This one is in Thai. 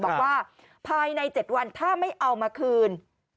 บอกว่าภายใน๗วันถ้าไม่เอามาคืน